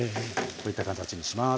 こういった形にします。